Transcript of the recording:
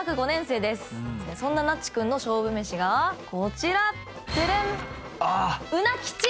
そんななっち君の勝負めしがこちら。